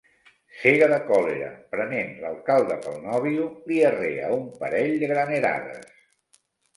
Cega de còlera, prenent l'alcalde pel nóvio, li arrea un parell de granerades.